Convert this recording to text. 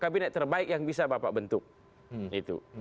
kabinet terbaik yang bisa bapak bentuk itu